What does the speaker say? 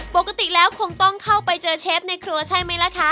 ปกติแล้วคงต้องเข้าไปเจอเชฟในครัวใช่ไหมล่ะคะ